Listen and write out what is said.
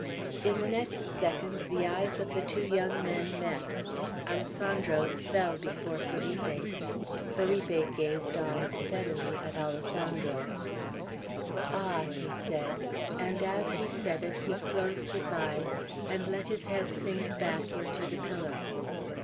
In the next second, the eyes of the two young men met. Alessandro's fell before Felipe's. Felipe gazed on, steadily, at Alessandro. "Ah!" he said; and as he said it, he closed his eyes, and let his head sink back into the pillow.